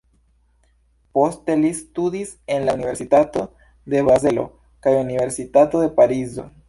Poste li studis en la Universitato de Bazelo kaj Universitato de Parizo.